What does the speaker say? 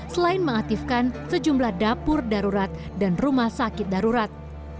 selain mengaktifkan sejumlah dapur darurat dan rumah sakit darurat